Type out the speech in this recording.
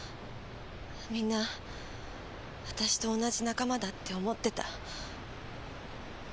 皆私と同じ仲間だって思ってた。